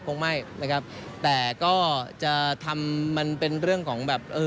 คงไม่นะครับแต่ก็จะทำมันเป็นเรื่องของแบบเออ